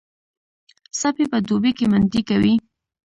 سپي په دوبي کې منډې کوي.